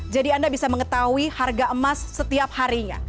jadi anda bisa mengetahui harga emas setiap harinya